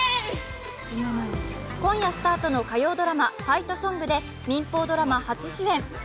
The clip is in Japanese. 今夜スタートの火曜ドラマ「ファイトソング」で民放ドラマ初主演。